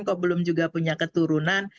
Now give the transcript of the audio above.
kok belum juga punya keturunan